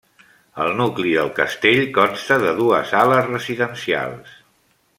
El nucli del castell consta de dues ales residencials.